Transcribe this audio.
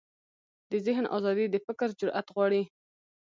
د ذهن ازادي د فکر جرئت غواړي.